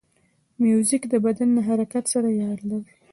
موزیک د بدن له حرکت سره یار دی.